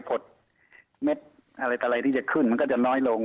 พล็ดเม็ดอะไรที่จะขึ้นมันก็จะน้อยลง